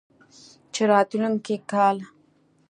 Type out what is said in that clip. چې راتلونکی کال